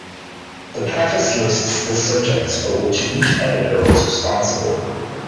The preface lists the subjects for which each editor was responsible.